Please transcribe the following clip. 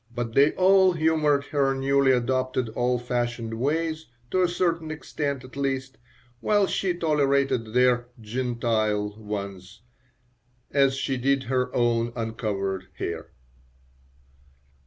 But they all humored her newly adopted old fashioned ways, to a certain extent at least, while she tolerated their "Gentile" ones as she did her own uncovered hair.